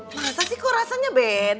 masa sih kok rasanya beda